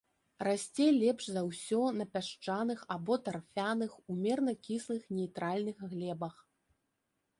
Расце лепш за ўсё на пясчаных або тарфяных, умерана кіслых нейтральных глебах.